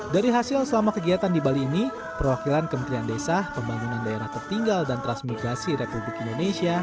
dari hasil selama kegiatan di bali ini perwakilan kementerian desa pembangunan daerah tertinggal dan transmigrasi republik indonesia